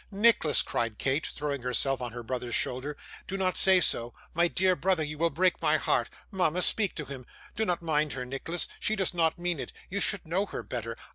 'Nicholas,' cried Kate, throwing herself on her brother's shoulder, 'do not say so. My dear brother, you will break my heart. Mama, speak to him. Do not mind her, Nicholas; she does not mean it, you should know her better.